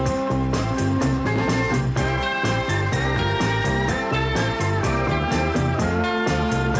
โอ้โอ้โอ้